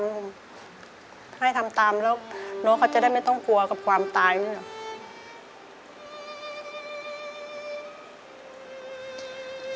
ให้ทำตามแล้วน้องเขาจะได้ไม่ต้องกลัวกับความตายนี่แหละ